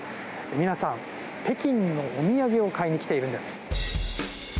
皆さん、北京のお土産を買いに来ているんです。